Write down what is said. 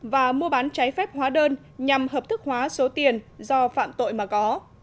và mua bán trái phép hóa đơn nhằm hợp thức hóa số tiền do phạm tội mà có